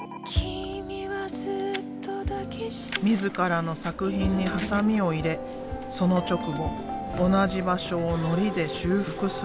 自らの作品にハサミを入れその直後同じ場所をのりで修復する。